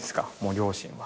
両親は。